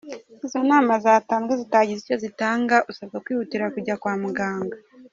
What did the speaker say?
Izo nama zatanzwe zitagize zitagize icyo zitanga, usabwa kwihutira kujya kwa muganga.